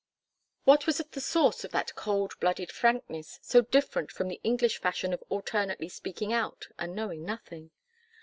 What was at the source of that cold blooded frankness, so different from the English fashion of alternately speaking out and knowing nothing?